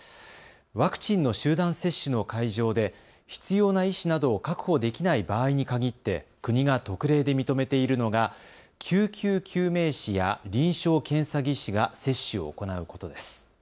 ワクチンの集団接種の会場で必要な医師などを確保できない場合に限って国が特例で認めているのが救急救命士や臨床検査技師が接種を行うことです。